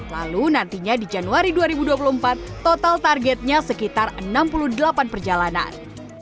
lalu nantinya di januari dua ribu dua puluh empat total targetnya sekitar enam puluh delapan perjalanan